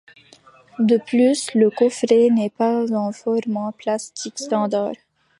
De plus, le coffret n'est pas en format plastique standard.